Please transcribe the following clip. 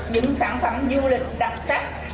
những sản phẩm du lịch đặc sắc